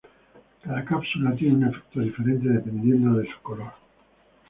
Cada cápsula tiene un efecto diferente dependiendo de su color.